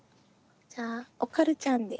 じゃあおかるちゃんで。